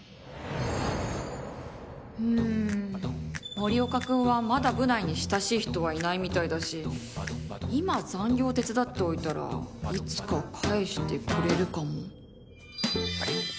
うーん、森岡君はまだ部内に親しい人はいないみたいだし今、残業を手伝っておいたらいつか返してくれるかも。